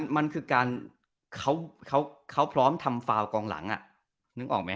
มันคือการเขาพร้อมทำฟาวกองหลังนึกออกไหม